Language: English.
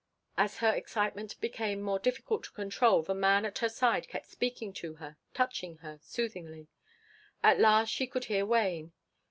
As her excitement became more difficult to control the man at her side kept speaking to her touching her soothingly. At last she could hear Wayne.